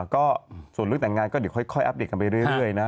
ก็ส่วนเรื่องแต่งงานก็เดี๋ยวค่อยอัปเดตกันไปเรื่อยนะ